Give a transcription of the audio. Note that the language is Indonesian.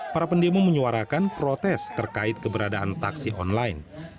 para pendemo menyuarakan protes terkait keberadaan taksi online